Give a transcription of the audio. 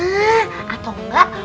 hah atau enggak